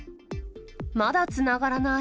まだつながらない。